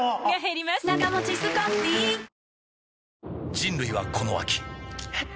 人類はこの秋えっ？